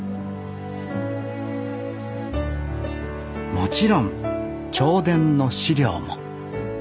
もちろん銚電の資料も